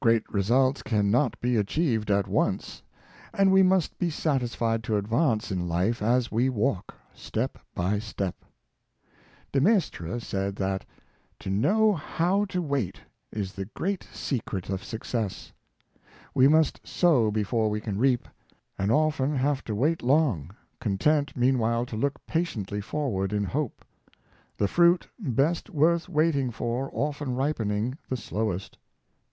Great results can not be achieved at once; and we must be satisfied to advance in life as we walk, step by step. De Maistre says that " To know Jiow to ^ait is the great secret of success." We must sow before we can reap, and often have to wait long, content meanwhile to look patiently forward in hope; the fruit best worth waiting for often ripening the slowest.